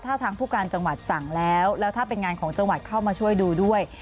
ถ้าทางผู้การจังหวัดสั่งแล้วแล้วถ้าเป็นงานของจังหวัดเข้ามาช่วยดูด้วย